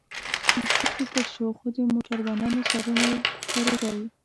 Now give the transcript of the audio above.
له سترګو پټ شو، خو د موټروانانو سرونه یې ښکارېدل.